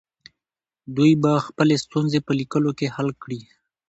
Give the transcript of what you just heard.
دوی به خپلې ستونزې په لیکلو کې حل کړي.